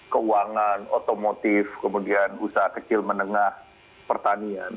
keuangan otomotif kemudian usaha kecil menengah pertanian